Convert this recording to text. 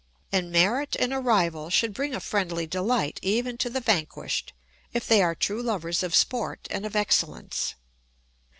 And merit in a rival should bring a friendly delight even to the vanquished if they are true lovers of sport and of excellence.